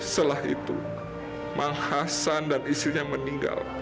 setelah itu mang hasan dan istrinya meninggal